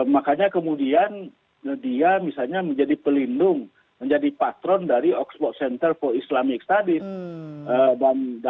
makanya kemudian dia misalnya menjadi pelindung menjadi patron dari oxford center for islamic studies